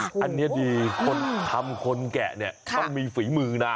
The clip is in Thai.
อันนี้ดีคนทำคนแกะเนี่ยต้องมีฝีมือนะ